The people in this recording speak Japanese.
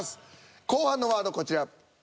後半のワードこちら。